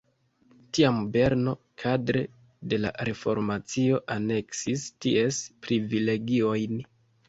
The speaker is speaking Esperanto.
Tiam Berno kadre de la reformacio aneksis ties privilegiojn.